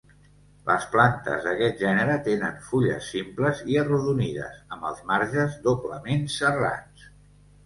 Les plantes d'aquest gènere tenen fulles simples i arrodonides amb els marges doblement serrats.